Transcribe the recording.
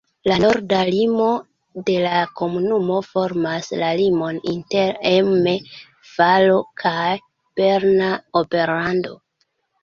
La norda limo de la komunumo formas la limon inter Emme-Valo kaj Berna Oberlando.